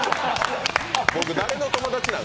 僕、誰の友達なん？